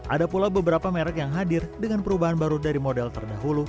ada pula beberapa merek yang hadir dengan perubahan baru dari model terdahulu